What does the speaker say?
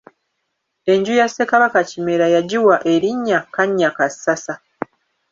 Enju ya Ssekabaka Kimera yagiwa elinnya Kannyakassasa.